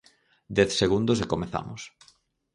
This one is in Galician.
Dez segundos e comezamos.